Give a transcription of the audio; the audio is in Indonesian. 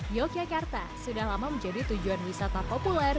yogyakarta sudah lama menjadi tujuan wisata populer